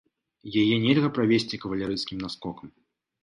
Яе нельга правесці кавалерыйскім наскокам.